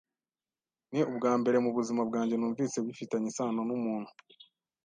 Ni ubwambere mubuzima bwanjye numvise bifitanye isano numuntu.